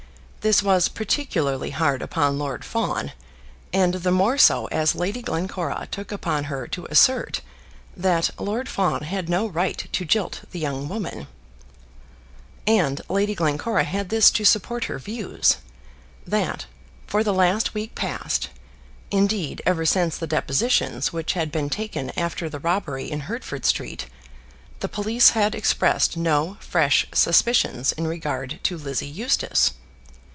This was particularly hard upon Lord Fawn, and the more so as Lady Glencora took upon her to assert that Lord Fawn had no right to jilt the young woman. And Lady Glencora had this to support her views, that, for the last week past, indeed ever since the depositions which had been taken after the robbery in Hertford Street, the police had expressed no fresh suspicions in regard to Lizzie Eustace.